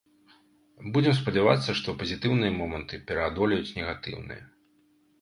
Будзем спадзявацца, што пазітыўныя моманты пераадолеюць негатыўныя.